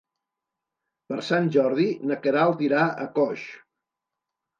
Per Sant Jordi na Queralt irà a Coix.